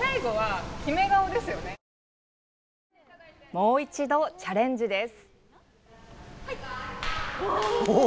もう一度チャレンジです。